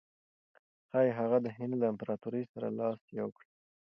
ښایي هغه د هند له امپراطور سره لاس یو کړي.